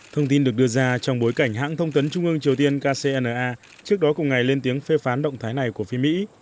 thông tin được đưa ra trong bối cảnh hãng thông tấn trung ương triều tiên kcna trước đó cùng ngày lên tiếng phê phán động thái này của phía mỹ